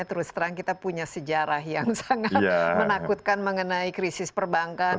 terus terang kita punya sejarah yang sangat menakutkan mengenai krisis perbankan